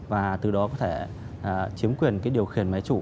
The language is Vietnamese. và từ đó có thể chiếm quyền điều khiển máy chủ